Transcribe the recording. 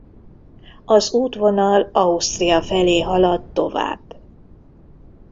Az útvonal Ausztria felé halad tovább.